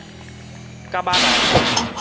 蛤仔蘭